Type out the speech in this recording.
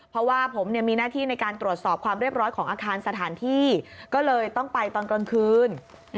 เพราะว่าผมมีหน้าที่ในการตรวจสอบความเรียบร้อยของอาคารสถานที่ก็เลยต้องไปตอนกลางคืน